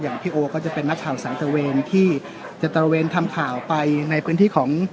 พี่โอก็จะเป็นนักข่าวแสงตะเวนที่จะตระเวนทำข่าวไปในพื้นที่ของ